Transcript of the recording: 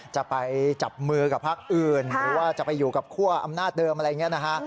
จะไปจับมือกับพักอื่นหรือว่าจะไปอยู่กับคั่วอำนาจเดิมอะไรอย่างนี้นะฮะ